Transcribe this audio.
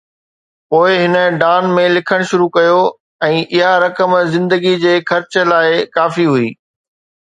پوءِ هن ڊان ۾ لکڻ شروع ڪيو ۽ اها رقم زندگي جي خرچ لاءِ ڪافي هئي.